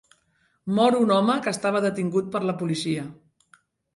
Mor un home que estava detingut per la policia